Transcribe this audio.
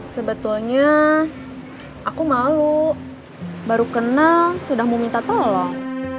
sebetulnya aku malu baru kenal sudah mau minta tolong